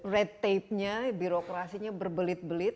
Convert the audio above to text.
red tape nya birokrasinya berbelit belit